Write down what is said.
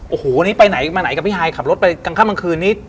โอ้โหนี่ไปไหนมาไหนกับพี่ฮายขับรถไปกลางค่ำกลางคืนนี้